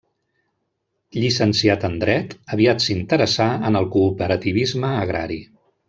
Llicenciat en dret, aviat s'interessà en el cooperativisme agrari.